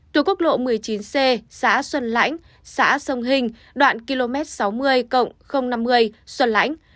từ quốc lộ một mươi chín c xã xuân lãnh xã sông hình đoạn km sáu mươi năm mươi xuân lãnh